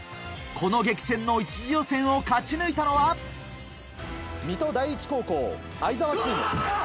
この激戦の１次予選を勝ち抜いたのは⁉水戸第一高校會澤チーム。